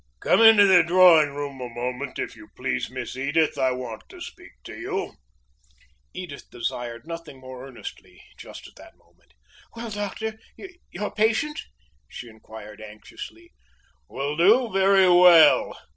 "Come into the drawing room a moment, if you please, Miss Edith, I want to speak with you." Edith desired nothing more earnestly just at that moment. "Well, doctor your patient?" she inquired, anxiously. "Will do very well!